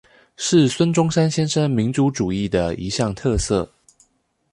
是孫中山先生民族主義的一項持色